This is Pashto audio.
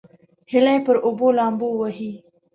هیلۍ پر اوبو لامبو وهي